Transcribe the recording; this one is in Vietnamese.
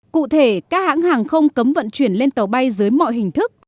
cụ thể các hãng hàng không cấm vận chuyển lên tàu bay dưới mọi hình thức